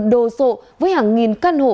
đồ sộ với hàng nghìn căn hộ